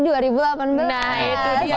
nah itu dia suksesnya